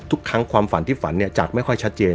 ทุกครั้งความฝันที่ฝันจากไม่ค่อยชัดเจน